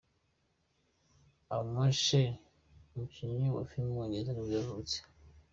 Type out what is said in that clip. Ian McKellen, umukinnyi wa filime w’umwongereza nibwo yavutse.